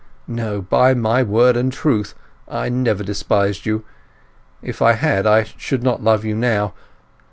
—No, by my word and truth, I never despised you; if I had I should not love you now!